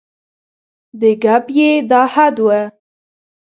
د ګپ یې دا حد و.